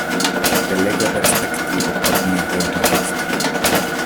Belega perspektivo por mia reŭmatismo!